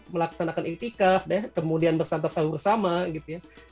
melaksanakan ikhtikaf deh kemudian bersantap sahur sama gitu ya